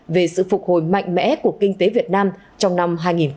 về sự phục hồi mạnh mẽ của kinh tế việt nam trong năm hai nghìn hai mươi